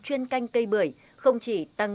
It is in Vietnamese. chuyên canh cây bưởi không chỉ tăng